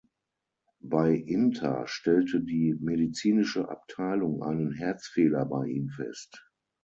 Bei Inter stellte die medizinische Abteilung einen Herzfehler bei ihm fest.